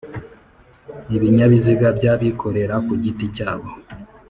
Ibinyabiziga by'abikorera ku giti cyabo